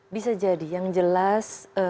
bisa jadi yang jelas